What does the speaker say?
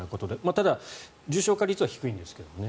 ただ、重症化率は低いんですけどね。